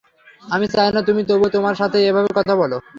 আমি চাই না তুমি তবুও আমার সাথে এভাবে কথা বলো।